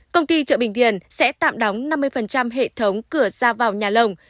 công ty chợ bình điền sẽ tạm đóng năm mươi hệ thống cửa ra vào nhà lồng